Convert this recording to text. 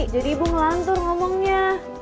jadi ibu ngelantur ngomongnya